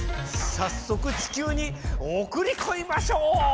さっそく地球におくりこみましょう！